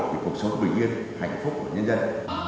vì cuộc sống bình yên hạnh phúc của nhân dân